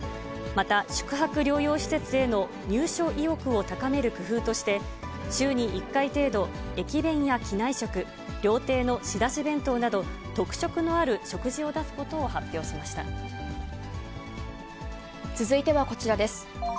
また宿泊療養施設への入所意欲を高める工夫として、週に１回程度、駅弁や機内食、料亭の仕出し弁当など、特色のある食事を出すこと続いてはこちらです。